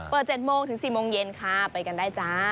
๗โมงถึง๔โมงเย็นค่ะไปกันได้จ้า